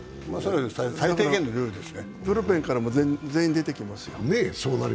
ブルペンからも全員出てきますよ。